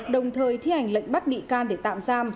đồng thời thi hành lệnh bắt bị can để tạm giam